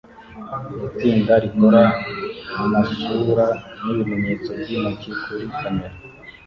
Itsinda rikora amasura n'ibimenyetso by'intoki kuri kamera